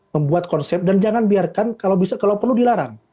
membuat konsep dan jangan biarkan kalau bisa kalau perlu dilarang